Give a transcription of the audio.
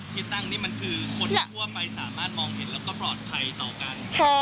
ที่ตั้งนี่มันคือคนทั่วไปสามารถมองเห็นแล้วก็ปลอดภัยต่อกัน